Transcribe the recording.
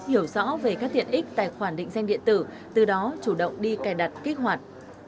hiểu rõ về các tiện ích tài khoản định danh điện tử từ đó chủ động đi cài đặt kích hoạt